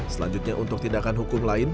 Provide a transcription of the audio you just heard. selanjutnya untuk tindakan hukum lain